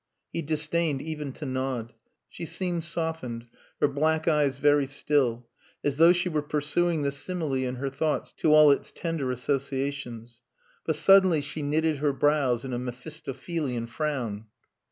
He disdained even to nod. She seemed softened, her black eyes very still, as though she were pursuing the simile in her thoughts to all its tender associations. But suddenly she knitted her brows in a Mephistophelian frown.